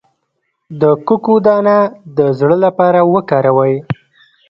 د کوکو دانه د زړه لپاره وکاروئ